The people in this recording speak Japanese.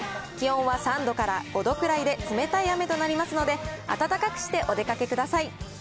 気温は３度から５度くらいで冷たい雨となりますので、あたたかくしてお出かけください。